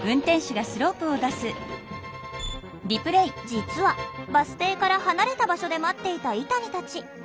実はバス停から離れた場所で待っていたイタニたち。